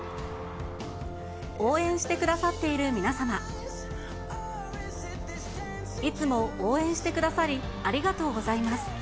応援してくださっている皆様、いつも応援してくださりありがとうございます。